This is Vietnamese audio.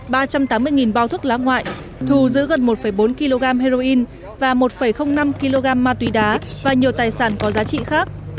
ba trăm tám mươi bao thuốc lá ngoại thù giữ gần một bốn kg heroin và một năm kg ma túy đá và nhiều tài sản có giá trị khác